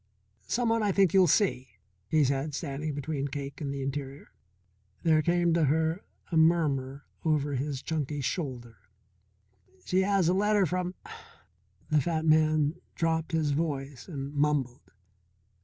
"Someone I think you'll see," he said, standing between Cake and the interior. There came to her a murmur over his chunky shoulder. "She has a letter from " The fat man dropped his voice and mumbled.